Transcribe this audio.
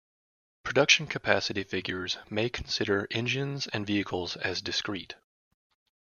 Production capacity figures may consider engines and vehicles as discrete.